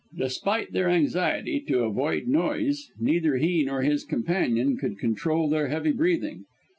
Despite their anxiety to avoid noise, neither he nor his companion could control their heavy breathing.